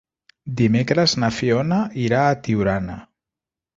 Dimecres na Fiona irà a Tiurana.